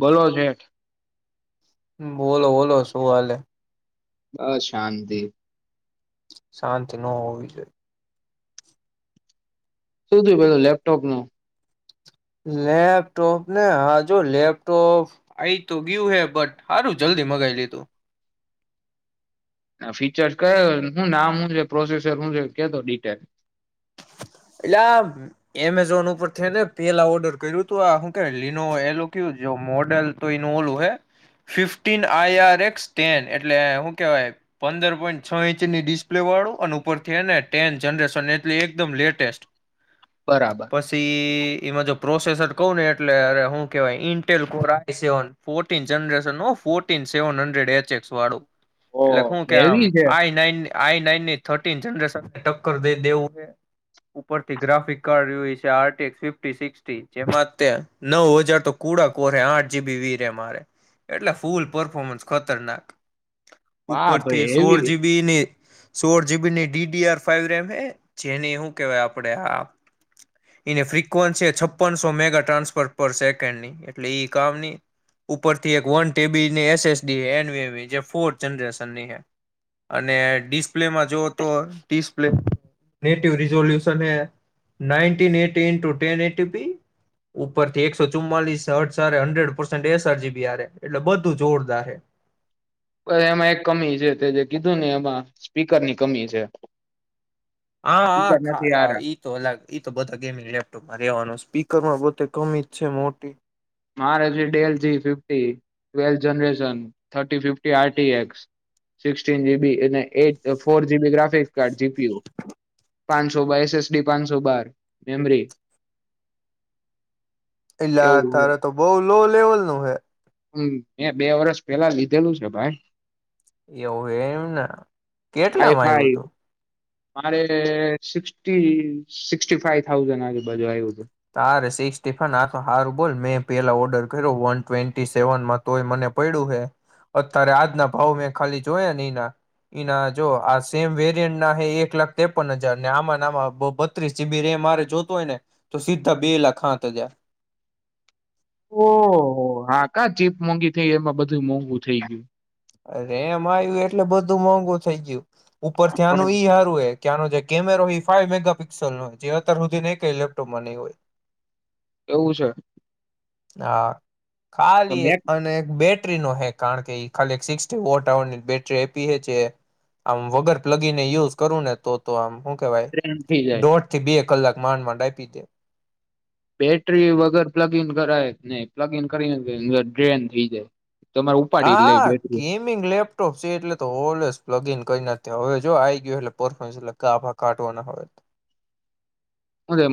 બોલો છેઠ બોલો બોલો શું હલેે બ શાંતિ શાંતિ ન હોવી જોઈએ શું થયું પું લેપટોપ ન લેપટોપ ને હ જો લેપટોપ આ તો ગયું હે બટ સારું જલ્દી મગાવી લીધું ફીચર્સ કયો શું નામ શું છે પ્રોસેસર શું છે કેતો ડિટેલ એટલે આ એમેઝોન ઉપરને પેલા ઓર્ડર કર્યું હતું આું કેવાય લીનો એલું ક મોડેલ તો એનું ઓલું હે ફિફન આઈઆર એક્સ ન એટલે શું કેવાય પંદર પોઈન્ટ છ ઇંચની ડિસ્પ્લે વાળું અને ઉપરથી એ ટેન જનરેશન એટ એકમ લેટ ટેસ્ટ બરાબર પછી એમાં જો પ્રોસેસર કહ ને એટલે અરેું કેવાય ઇલ સવ જરેન ફ સેવ હડડ એચક્સ વાળું એટલે શું કેમ હેવી છે આઈ નાઈન આઈ નાઈન ની થર્ટીન જનરેશન ને ટક્કર દઈ દેવું ઉપરથી ગ્રાફિક કાર્ડ છે આટીએ ફિફી સિક્ટી જેમાં તે નવ હજાર તો કુડા કોરે આઠ જીબી વીરે મારે એટલે ફૂલ પરફોમન્સ ખતરનાક હા ઉપર થી ભાઈ હેવી સોળ જીબી ની સોળ જીબી ની ડીડીઆર ફાઈવ રેમ હ જેને હું આપ આ એની ફ્રિકવન્સી છપ્પન સો મેગા ટ્રાન્સફર પર સેકન્ડ ની એટલે કામની ઉપરથી એક વન ટેબીની એસએસડી એ ફો જનરેશનની અને ડિસ્પ્લેમાં જોઓ તો ડિપ્લે થી એકો ચુમમાલીસ એટલેું જોરદાર પણ એમાં એક કમી છે તે જે કીધું ને એમાં સ્પીકરની કમી છે હા સ્પીકર નથી હાા હારા ઈ તો અલગ ઈ તો બધા ગેમિંગ લેપટોપમાં રેવાનું સ્પીક માં પોતે કમી જ છે મોટી મારે જરેન જીી ગાફિક પ્યો પાંચસો બ એસએસડી પાંચસો બાર મેમરી એલા એવું તાર તો બઉુ લો લેવલ નું હૈ હમ મે બે વરષ પેલા લીધેલું છે ભાઈ એવું એમને આઈ કેટલામાં આવું ફાઈવ હતું મારે સિક્ સિક્ ફાઈ થાઉઝન્ આજે બધું આવ્યું હતું ત ર સ સ્ટીફન આથ સારું બોલ મેં પેલા ઓર્ડર કર્યો વન ટ્વેન્ટી સેવનમાં તોય મને પડ્યું હે અત્યારે આજના ભાવ મેં ખાલી જોયા ને એના એના જો આ સેમ વેરિયન્ટ ના હ એક લાખ ત્રેપન હજાર ને આમાંમાં બત્રીસ જીબી રેમ મારે જોતો હોય ને તો સીધા બે લાખા ત જ્યા ઓહ હા કા ચીપ મોંઘી થઈ એમાં બધું મોંઘું થઇ ગયું રેમ આવ્યું એટલે બધું મોંઘુ થઇ ગયું ઉપર હા ત્યાંનું ઈ હારું હો ત્યાંનો જે કેમેરો ફવ મેગાપિક્સલય જે અત્યાર સુધી નહીં કે ઇલેક્ટ્રોપમાં નહીં હોય એવું છે હા તો ખાલી એક મેક અને એક બેટ બેટરી નો હે કારણ કે ખાલી સિક્ વોટરની બેટરી આપી હ છે આમ વગર પ્લગીને યુઝ કરું ને તો આમું વાય ટ્રેન થઈ જાય. ડોંટથી બી એક કલાક માંડમાંડાય પીધે બેટરી વગર પ્લગ ઈન કરાય ને પ્લગ ઈન કરીને ડ્રેન થઈ જાય તમારે ઉપાડી જ લઈ હા બેટરી ગેમિંગ લેપટોપ છે એટલે તો હોલેસ પ્લગ ઇન કરી ના હવે જો આ આવી ગયું એટલે પરફોન્સ એટલે કાફા કાઢવા ના હોય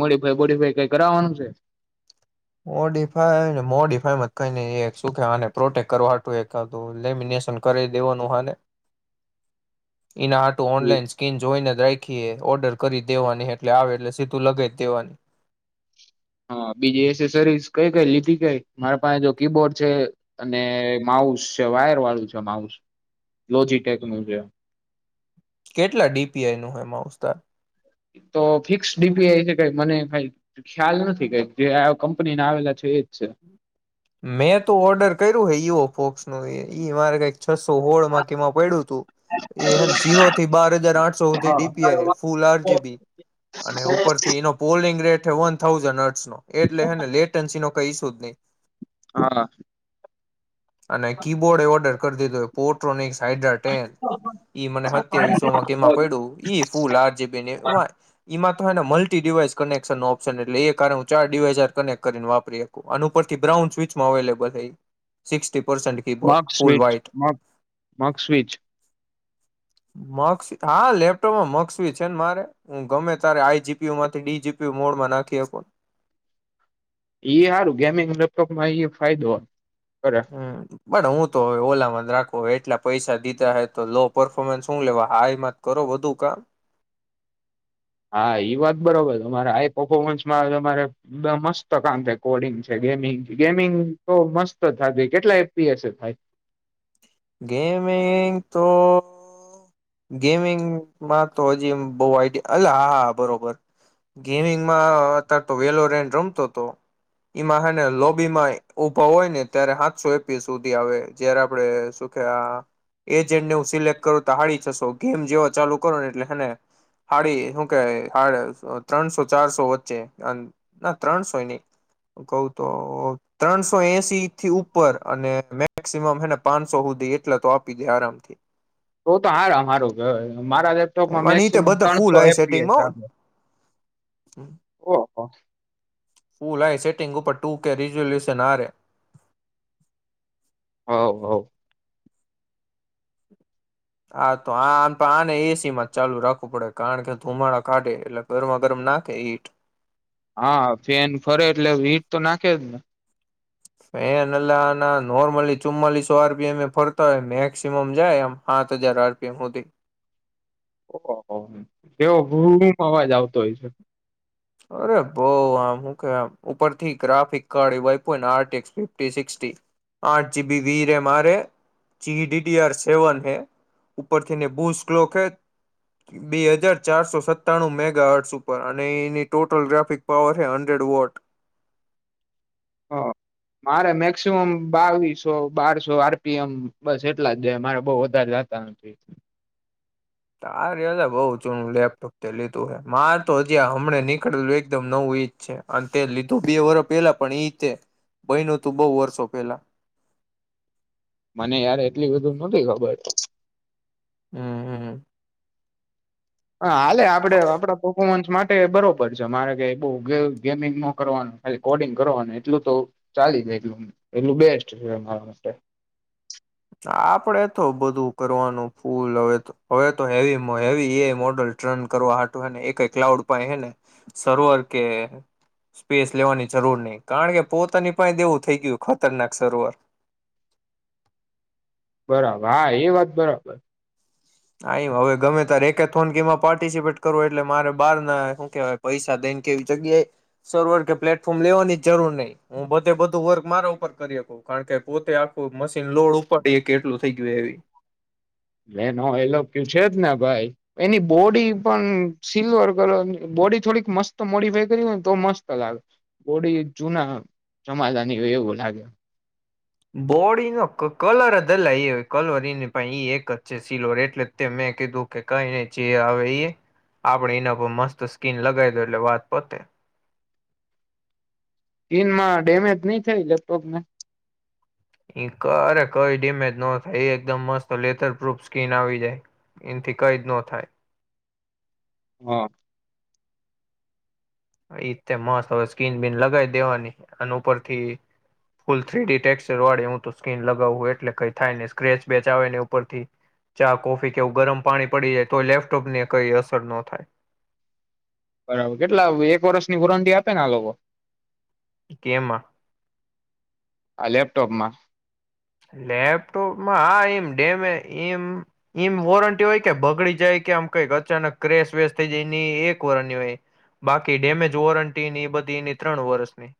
મોડીફાઈ બડીફાઈ કઈ કરાવવાનું છે મોડીફાઈ મોડીિફાઈમાં કઈ સુને પ્રોટેક કરવાટું એકું લેમિનેશન કરી દેવાનું હને એના આટું ઓનલાઈન સ્કીન જોઈ નથી રાખીએ ઓર્ડર કરી દેવાની એટલે આવે એટલે સીધું લગાવ જ દેવાની હા બીજી એસેસરીસ કઈ કઈ લીધી કઈ મારા પાસે જો કીબોર્ડ છે અને માઉસ છે વાયર વાળું છે માઉસ લોજીટેક નું છે કેટલા ડીપીઆઈનું હેમાંઉસ્તાર તો ફિક્સ ડીપી એ છે કઈ મને કઈ ખ્યાલ નથી કઈ જે આ કંપનીને આવેલા છે એ મેં તો ઓર્ડર કર્યું હ વ ફોક્સ ન ઈ મારે કઈક છસો હોળમાંકીમાં પડ્યું હતું એ જીરો થી બાર હજાર આઠસો સુધી હા ડીપીઆ ફૂલ આરજીબી અને ઉપર થી એનો પોલિંગ રેટ વન થાઉઝન્ડ એટલેને લેન્સી ન કઈ શોધ ન હા હા અને કીબોર્ડ એ ઓર્ડર કરીેતોય પોર્ટ્રોનિક્સ હ્રન ઈ મને હત્યા વિશ્વમાં કેમાં પડ્યું ઈ ફૂલ આર જેબીમાં ને મલ્ટી ડિવાઈસ કનેક્શન નો ઓપ્શન એટલે એ કારણે હ ચાર ડિવાઈસ કનેક્ટ કરીને વાપરીકું આ ઉપરથી બ્રાઉન સ્વચમાં અવેલેબલ થઈ સિક્સ માક સ્વીચ મા માક સ્વીચ મક્ષ હા લેપટોપમાં મક્ષક્ષવી છે ને મારે હું ગમે તારે આઈજીપીય માંથી ડીજીપીયુ મોડમાં નાખી આપું એઈ સારું ગેમિંગ લેપટોપમાં એ ફાયદો હોય હમ બટ હું વે ઓલામાં જ રાખો એટલા પૈસા દીધા હોય તો લો પરફોર્મન્સ શું લેવા હાઈમાં જ કરો બધુ કામ હા વાત બરોબર તમારે આઈ પફોર્મન્સમાં તમારે મસ્ત કામ થાય કોડિંગ છે ગેમિંગ ગેમિંગ તો મસ્ત થાય કેટલા એપીએસ થાય ગેમિંગ તો ગેમિંગમાં તો હજી બ આઈડ અ હા હા બરોબર ગેમિંગમાં અત્યારે તો વેલો રેડ રમતો હતો એમાં હને લોબીમાં ઉભા હોય ને ત્યારે હાથસો એપી સુધી આવે જયારે આપણે શ એજને હ સિલેક્ટ કરું તોાડી સો ગેમ જેવ ચાલુ કરો ને એટલેને હાડી શું કે ત્રણસો ચારસો વચ્ચે ના ત્રણસો નહી કહ તો ત્રણસો એસી થી ઉપર અને મેક્સમમને પાંચસો સુધી એટલા તો આપી દે આરામથી તો તો હાર મારું કેવાય મારા લેપટોપમાં અને તે મેક્સિમમ બધા ત્રણસો એપીએ છે આપે હમ ઓહ ફૂલા એ છે ટટેંગુ પટું કે ર જો લ છે નારે હ હ હા તો આમ તો આને એસી માં ચાલુ રાખવું પડે કારણ કે ધુમાડા કાઢે એટલે ગરમા ગરમ નાખે ઈટ હા ફેન ફરે એટલે હીટ તો નાખે ક દને ફેન અલ્લાહના નોર્મલી ચુમ્માલીસો આરપીએમ એ ફરતા હોય મેક્સિમમ જાય આમ સાત હજાર આરપીએમ સુધી ઓ તેવો ભૂમ અવાજ આવતો હોય છે અરે ભો આમું કે આમ ઉપરથી ગ્રાફિક કાી આિક આઠ જીબી વી મારે સેવ ઉપરલો બે હજાર ચારસો સત્તાણું મેગટ ઉપર અને એ ટોટલ ગ્રાફિક પાવર હૈ હન્ડ્રેડ વોટ હ મારે મેક્સિમમ બાવીસો બારસો આરપીએમ બસ એટલા જ જાય મારે બહ વધારે જતા નથી આ ર બહુ જૂનું લેપટોપ તે લીધું હ મારે તો હજી હમણા નીકળેલું એકદમ નવું ઈજ છે અને તે લીધું બે વર્ષ પેલા પણ ઈ છે બયનું તું બહુ વર્ષો પેલા મને યાર એટલી બધું નથી ખબર હમ હમ હા હાલે આપડે આપડા પફોમન્સ માટે માટે બરોબર છે મારે કે બ ગેમિંગ ન કરવાનું ખાલી કોડિંગ કરવાનું એટલું તો ચાલી જાય એટલું એટલું બેસ્ટ છેરા માટે આપડે તો બધું કરવાનું ફૂલ હવે હવે તો હેવી હેવી એ મોડલ ટન કરવાટુંને એ ક ક્લાઉડ પા હેને સર્વર કે સ્પેસ લેવાની જરૂર નહી કારણ કે પોતાની પા દેવું થઈ ગયું ખતરનાક સર્વર બરાબર હા એ વાત બરાબર આ એ હવે ગમે ત રેથોનીમાં પાર્ટિસિપેટ કરવો એટલે મારે બાર ના શું કેવાય પૈસા દઈને કે એવી જગ્યાએ સર્વર કે પ્લેટફોર્મ લેવાની જ જરૂર નહીિ હું બધે બધું વર્ક મારા ઉપર કરીક કારણ કે પોતે આખું મશીન લોડ ઉપાડી કે એટલું થઈ ગયું એવી એનો એલો છે જને ભાઈ એની બોડી પણ સિલ્વર કલર બોડી થોડીક મસ્ત મોડીફાય કરી હોયને તો મસ્ત લાગે બોડી જુના જમાલાની હોય એવું લાગે બોડીનો કલર જલા એ કલર એને એ એક જ છે સીલવર એટલે તે મેં કીધું કે કઈને જે આવે એ આપણેે એના પર મસ્ત સ્કીિન લગાવી દો એટલે વાત પોતે સ્કીનમાં ડેમેજ નહી થઈ લેપટોપ ને એ અરે કઈ ડેમેજ ન થાય એ એકદમ મસ્ત લેથર પ્રૂફ સ્કીિન આવી જાય એથી કઈ જ ન થાય હા ઈતે મસ્ત હવે સ્કીન બીન લગાવી દેવાની અને ઉપરથી ફૂલ થ્રીડી ટેક્ચર વાળે હું તો સ્કીન લગાવું એટલે કઈ થાય નને સ્ક્રેચ વેચ આવે ને ઉપરથી ચા કોફી કેવું ગરમ પાણી પડી જાય તો લેપટોપ ને કઈ અસર ન થાય બરાબર કેટલા એક વર્ષની વોરંટી આપે ને આ લોકો કેમાં આ લેપટોપમાં લેપટોપમાં હા એમ ડેમે એમ એમ વોરંટી હોય કે બગડી જાય કે આમ કઈક અચાનક ક્રસ વેશ થઈ જાય એની એક વરની હોય બાકી ડેમેજ વોરંટીની એ બધી એની ત્રણ વરષની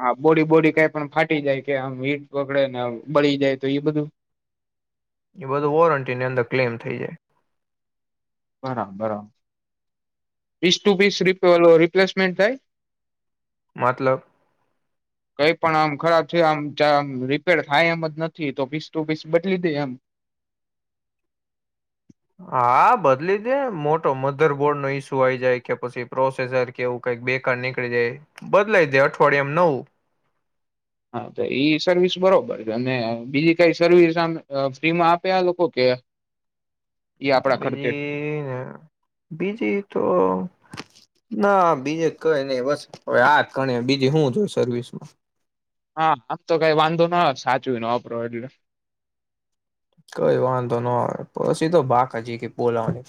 હા બોડી બોડી કાઈ પણ ફાટી જાય કે આમ હીટ પકડે ને બળી જાય તો એ બધું એ બધું વોરંટીની અંદર ક્લેમ થઈ જાય બરાબર બરાબર પીસ ટુ પીસ ર રિપ્લેસમેન્ટ થાય મતલબ કઈ પણ આમ ખરાબ થયો આમ મ રિપેર થાય એમ જ નથી તો પીસ ટુ પીસ બદલી દે એમ હા બદલી દે મોટો મધરબોર્ડનો ઈસ્યુ આઈ જાય કે પછી પ્રોસેસર કેવું કઈક બેકાર નીકળી જાય બદલાઈ દે અઠવાડિયામાં નવું હા તો ઈ સર્વિસ બરોબર છે અને બીજી કઈ સર્વિસ આમ ફ્રીમાં આપે આ લોકો કે ઈ આપડા ખર્ચે બીજીને બીજી તો ના બીજે કઈ નહી બસ હવે આ જ ગણી બીજી શું જોય સર્વિસમાં હા આમ તો કઈ વાંધો ન સાચું ન વાપરો એટલે કઈ વાંધો ન આવે પછી તો બાકા ચીકી બોલાવાની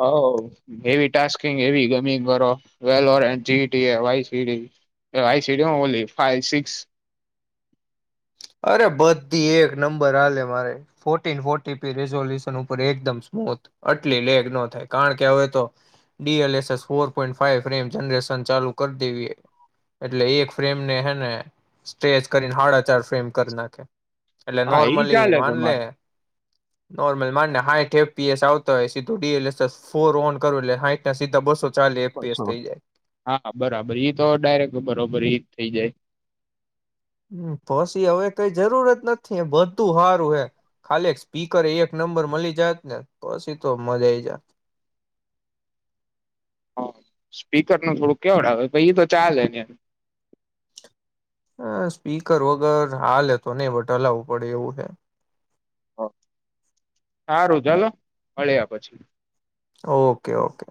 હ એવી ટાસ્ક કંઈક એવી ગમે કરો વેલોરા જીતી એ વાસીડી હું બોલી ફા સિકસ અરે બધી એક નંબર આલે મારે ફોટીન ફોટી પે રેઝયુલેશન પર એકમદમ સ્મુથ આટલી લેગ ન થાય કારણ કે હવે તો ડી અ laser four point five frame generation ચાલુ કરી દેવી એટલે એક ફ્રેમને હેને સ્ટ્રેચ કરી સાડા ચાર ફેમ કર નાખયા એટલે હા ઈ નોર્મલી ચાલે માનલે તમારે નોર્મલી માન હાઈટ એફપીએસ આવતા હોય સીધું ડીએલસ ફોર ઓન કરો એટલે હાઈટ ના સીધા બસો ચાલી એફપીએસ છો થઈ જાય. હા બરાબર ઈ તો ડાયરેક્ટ બરોબર ઈ થઈ જાય હમ પછી હવે કઈ જરૂરત નથી બધું સારું હે ખાલી સ્પીકર એક નંબર મળી જત ને પછી તો મજા આવી જાત હ સ્પીકરનું થોડું કેવડ આવે પણ ઈ તો ચાલે ને હા સ્પીકર વગર હાલે તો નહીં બટ લાવવું પડે એવું હે સારું ચાલો મળ્યા પછી ઓકે ઓકે